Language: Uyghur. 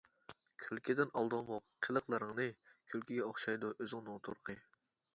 كۈلكىدىن ئالدىڭمۇ قىلىقلىرىڭنى؟ كۈلكىگە ئوخشايدۇ ئۆزۈڭنىڭ تۇرقى.